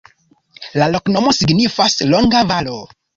La loknomo signifas: longa-valo.